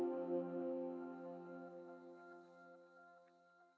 แล้วผมก็จะตายอยู่ในส่วนหลังบ้าน